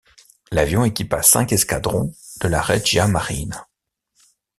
L'avion équipa cinq escadrons de la Regia Marina.